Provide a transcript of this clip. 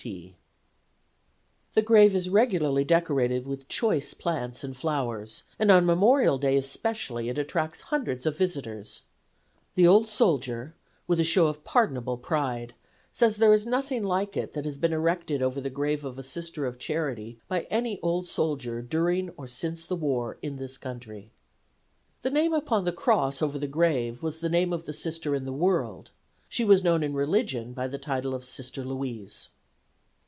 T. T. The grave is regularly decorated with choice plants and flowers, and on Memorial Day especially it attracts hundreds of visitors. The old soldier, with a show of pardonable pride, says there is nothing like it that has been erected over the grave of a Sister of Charity by any old soldier during or since the war in this country. The name upon the cross over the grave was the name of the Sister in the world. She was known in religion by the title of Sister Louise.